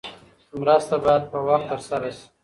مرسته باید په وخت ترسره شي.